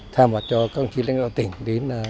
tham hoạt cho các công chí lãnh đạo tỉnh đến